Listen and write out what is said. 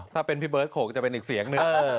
ถ้าเป็นพี่เบิร์ดโขกจะเป็นอีกเสียงหนึ่ง